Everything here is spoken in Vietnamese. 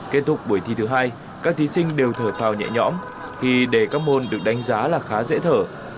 kết thúc buổi thi thứ hai các thí sinh đều thở nhẹ nhõm khi đề các môn được đánh giá là khá dễ thở